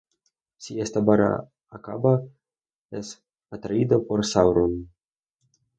Si esta barra acaba, es atraído por Sauron.